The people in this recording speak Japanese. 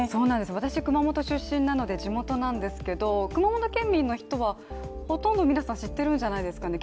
私、熊本出身なので地元なんですけど熊本県民の人はほとんど皆さん知っているんじゃないですかね。